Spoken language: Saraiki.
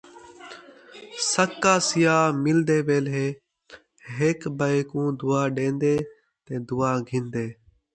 سَکا سیاء ملدیں ویلے ہک ٻئے کوں دعا ݙیندے تے دعا گھندے۔